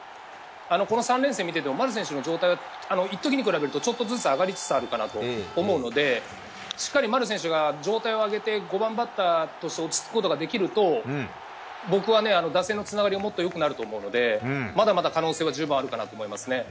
この３連戦を見てても丸選手の状態はちょっとずつ上がりつつあると思うのでしっかり丸選手が状態を上げて５番バッターで落ち着くと僕は打線のつながりがもっと良くなると思うのでまだまだ可能性は十分あるかなと思いますね。